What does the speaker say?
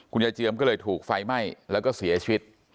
ยายเจียมก็เลยถูกไฟไหม้แล้วก็เสียชีวิต